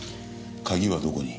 鍵はどこに？